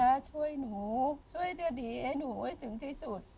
ถ้าช่วยหนูช่วยด้วยดีให้หนูให้ถึงที่สุด